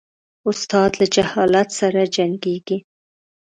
استاد له جهالت سره جنګیږي.